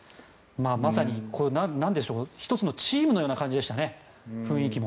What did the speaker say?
まさに１つのチームのような感じでしたね、雰囲気も。